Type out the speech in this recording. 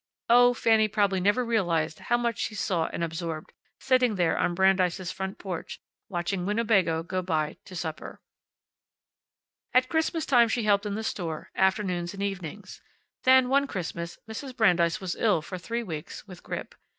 Oh, Fanny probably never realized how much she saw and absorbed, sitting there on Brandeis' front porch, watching Winnebago go by to supper. At Christmas time she helped in the store, afternoons and evenings. Then, one Christmas, Mrs. Brandeis was ill for three weeks with grippe.